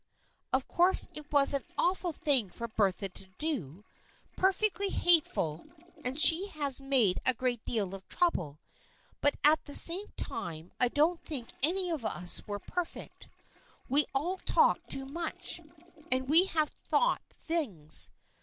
Of course it was an awful thing for Bertha to do, perfectly hateful, and she has made a great deal of trouble, but at the same time I don't think any of us were perfect. We all talked too much, and we have thought things.